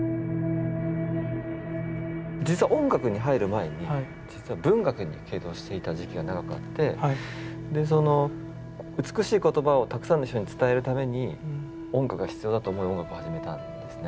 実は音楽に入る前に実は文学に傾倒していた時期が長くあってその美しい言葉をたくさんの人に伝えるために音楽が必要だと思い音楽を始めたんですね。